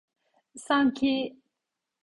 Sanki...